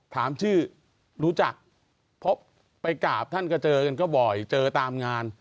ถามชื่อรู้จักเพราะไปกราบท่านก็เจอกันก็บ่อยเจอตามงาน